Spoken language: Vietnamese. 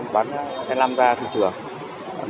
ba mươi bán e năm ra thị trường